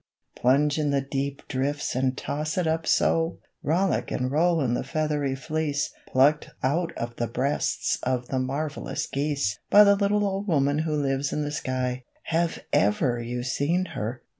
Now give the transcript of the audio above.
Plunge in the deep drifts and toss it up so! Rollick and roll in the feathery fleece Plucked out of the breasts of the marvelous geese By the little old woman who lives in the sky; Have ever you seen her?